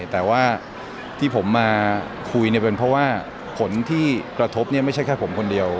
แต่ว่าที่ผมมาคุยเป็นเพราะว่าผลที่กระทบไม่ใช่แค่ผมคนเดียว